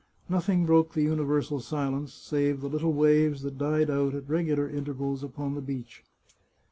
Nothing broke the universal silence, save the little waves that died out at regular intervals upon the beach.